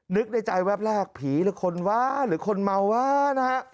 นึกในใจแวบแรกผีหรือคนว้าหรือคนเมาว้านะฮะ